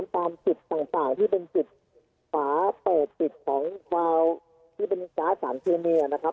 ตามสิทธิ์ต่างที่เป็นสิทธิ์ฝาเปรตสิทธิ์สองวาวที่เป็นศาสนเครเมียนะครับ